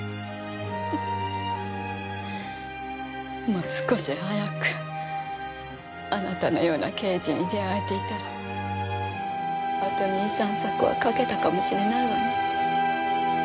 もう少し早くあなたのような刑事に出会えていたらあと２３作は書けたかもしれないわね。